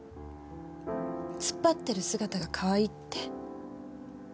突っ張ってる姿がかわいいって。